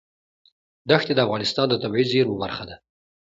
دښتې د افغانستان د طبیعي زیرمو برخه ده.